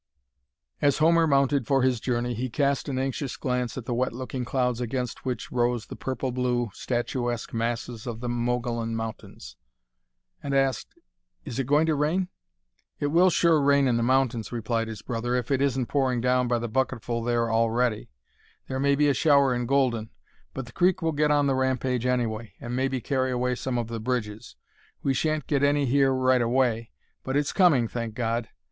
As Homer mounted for his journey he cast an anxious glance at the wet looking clouds against which rose the purple blue, statuesque masses of the Mogollon Mountains, and asked, "Is it going to rain?" "It will sure rain in the mountains," replied his brother, "if it isn't pouring down by the bucketful there already. There may be a shower in Golden, but the creek will get on the rampage anyway, and maybe carry away some of the bridges. We shan't get any here right away, but it's coming, thank God!